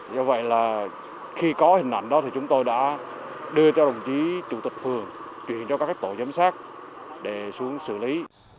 do vậy là khi có hình ảnh đó thì chúng tôi đã đưa cho đồng chí chủ tịch phường chuyển cho các tổ giám sát để xuống xử lý